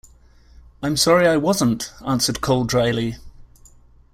"I'm sorry I wasn't," answered Cole dryly.